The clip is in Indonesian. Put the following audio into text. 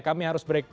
kami harus break